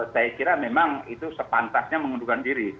saya kira memang itu sepantasnya mengundurkan diri